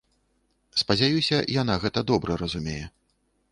Спадзяюся, яна гэта добра разумее.